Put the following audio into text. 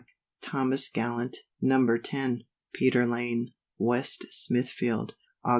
THOMAS GALLANT. No. 10, Peter lane, West Smithfield, Aug.